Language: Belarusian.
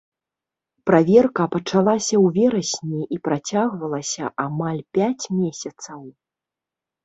Праверка пачалася ў верасні і працягвалася амаль пяць месяцаў.